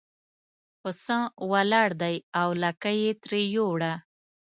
پسه ولاړ دی او لکۍ یې ترې یووړه.